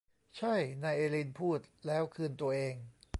ใช่นายเอลีนพูดแล้วคืนตัวเอง